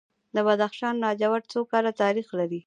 د بدخشان لاجورد څو کاله تاریخ لري؟